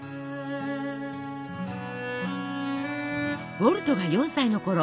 ウォルトが４歳のころ